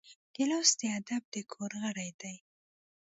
ګیلاس د ادب د کور غړی دی.